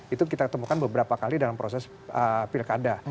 itu kita temukan beberapa kali dalam proses pilkada